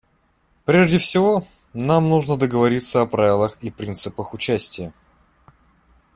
Прежде всего, нам нужно договориться о правилах и принципах участия.